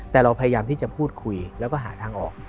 แต่เราพยายามที่จะพูดคุยแล้วก็หาทางออก